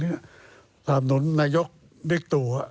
หรือสนับหนุนนายกดิกตัว